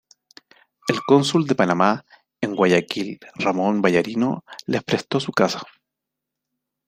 El cónsul de Panamá en Guayaquil, Ramón Vallarino, les prestó su casa.